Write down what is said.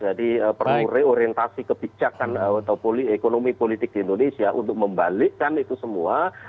jadi perlu reorientasi kebijakan atau ekonomi politik di indonesia untuk membalikkan itu semua